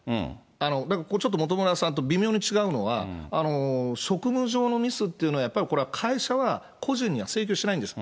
だからここ、ちょっと本村さんと微妙に違うのは、職務上のミスっていうのは、やっぱりこれは、会社は個人には請求しないんです。